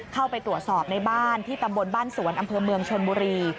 เข้าไปตรวจสอบในบ้านที่ตำบลบ้านสวนอำเภอเมืองชนบุรี